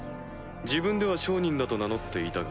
自分では商人だと名乗っていたが。